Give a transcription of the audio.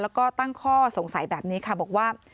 แล้วก็ตั้งข้อสงสัยแบบนี้ค่ะบอกว่า